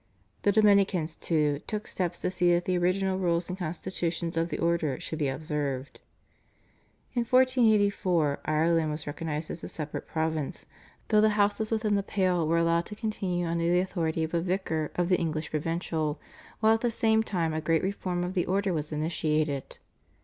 The Dominicans, too, took steps to see that the original rules and constitutions of the order should be observed. In 1484 Ireland was recognised as a separate province, though the houses within the Pale were allowed to continue under the authority of a vicar of the English provincial, while at the same time a great reform of the order was initiated.